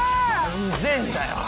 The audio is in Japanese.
うぜえんだよ。